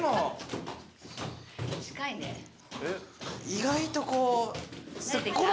意外とこう。